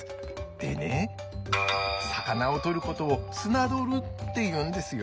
でね魚を捕ることを「漁る」っていうんですよ。